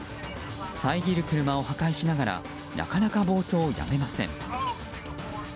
さえぎる車を破壊しながらなかなか暴走をやめません。